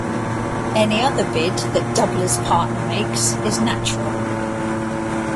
Any other bid that doubler's partner makes is natural.